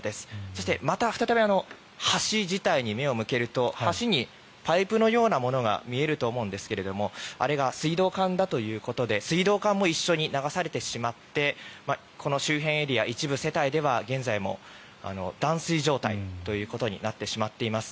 そして、また再び橋自体に目を向けると橋にパイプのようなものが見えると思うんですがあれが水道管だということで水道管も一緒に流されてしまってこの周辺エリア一部世帯では現在も断水状態となってしまっています。